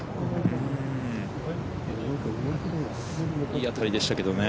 いい当たりでしたけどね